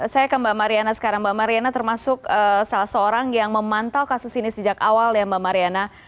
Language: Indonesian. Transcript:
saya ke mbak mariana sekarang mbak mariana termasuk salah seorang yang memantau kasus ini sejak awal ya mbak mariana